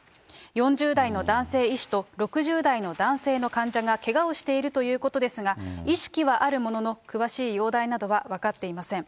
４０代の男性医師と６０代の男性の患者がけがをしているということですが、意識はあるものの、詳しい容体などは分かっていません。